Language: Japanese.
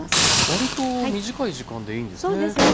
割と短い時間でいいんですね。